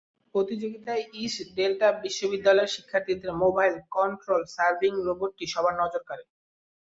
প্রতিযোগিতায় East Delta বিশ্ববিদ্যালয়ের শিক্ষার্থীদের মোবাইল কন্ট্রোল সার্ভেয়িং রোবটটি সবার নজর কাড়ে।